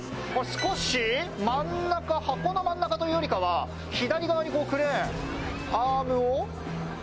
少し箱の真ん中というよりは、左側にクレーン、アームを。